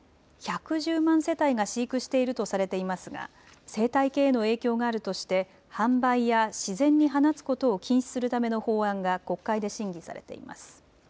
１１０万世帯が飼育しているとされていますが生態系への影響があるとして販売や自然に放つことを禁止するための法案が国会で審議されています。